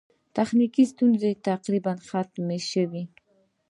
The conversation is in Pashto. تخنیکي ستونزې تقریباً ختمې شوې.